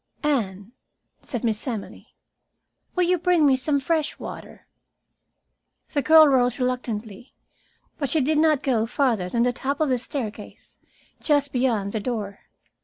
"Anne," said Miss Emily, "will you bring me some fresh water?" The girl rose reluctantly, but she did not go farther than the top of the staircase, just beyond the door.